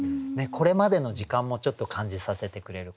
これまでの時間もちょっと感じさせてくれる。